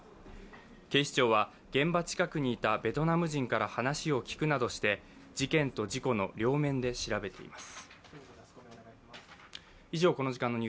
警視庁は現場近くにいたベトナム人から話を聞くなどして事件と事故の両面で調べています。